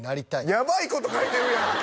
やばいこと書いてるやん！